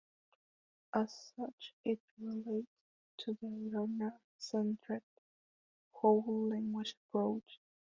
As such it relates to the learner-centered whole language approach.